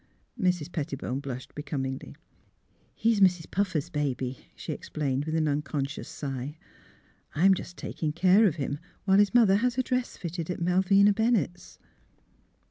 " Mrs. Pettibone blushed becomingly. He's Mrs. Puffer's baby," she explained, with an unconscious sigh. ^' I'm just taking care of him, while his mother has a dress fitted at Mal vina Bennett's."